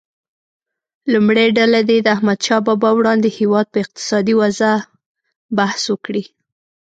لومړۍ ډله دې د احمدشاه بابا وړاندې هیواد په اقتصادي وضعه بحث وکړي.